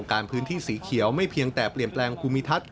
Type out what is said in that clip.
การพื้นที่สีเขียวไม่เพียงแต่เปลี่ยนแปลงภูมิทัศน์